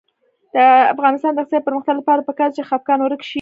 د افغانستان د اقتصادي پرمختګ لپاره پکار ده چې خپګان ورک شي.